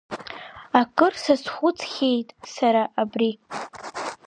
Акыр сазхәыцхьеит сара абри.